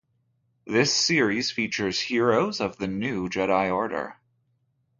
This series features heroes of the New Jedi Order.